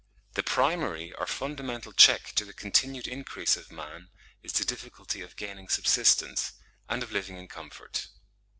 The primary or fundamental check to the continued increase of man is the difficulty of gaining subsistence, and of living in comfort.